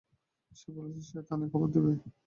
সে বলছে, সে থানায় খবর দেবে।